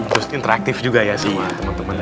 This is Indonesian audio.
terus interaktif juga ya semua temen temennya ya